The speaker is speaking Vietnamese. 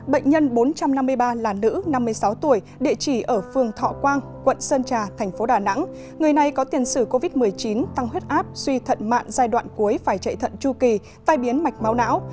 bệnh nhân bốn trăm năm mươi ba là nữ năm mươi sáu tuổi địa chỉ ở phường thọ quang quận sơn trà thành phố đà nẵng người này có tiền sử covid một mươi chín tăng huyết áp suy thận mạng giai đoạn cuối phải chạy thận chu kỳ tai biến mạch máu não